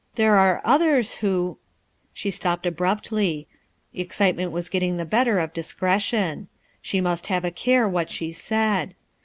There are others who —" She stopped abruptly; excitement was getting the better of discretion. She must have a care what she said.